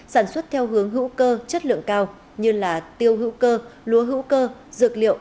sản xuất theo hướng hữu cơ chất lượng cao như tiêu hữu cơ lúa hữu cơ dược liệu